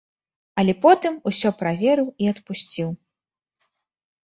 Але потым усё праверыў і адпусціў.